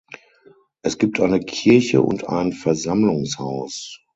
Es gibt eine Kirche und ein Versammlungshaus.